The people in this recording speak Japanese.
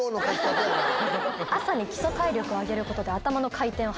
朝に基礎体力を上げることで。